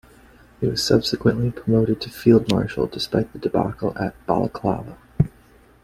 He was subsequently promoted to field marshal despite the debacle at Balaclava.